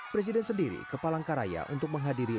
presiden sendiri ke palangkaraya untuk menghadiri